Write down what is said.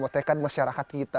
tekad masyarakat kita